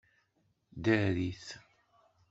Ddarit!